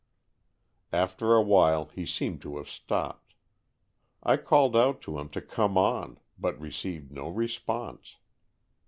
After awhile, he seemed to have stopped. I called out to him to come on, but received no response.